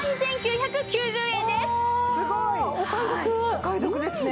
お買い得ですね。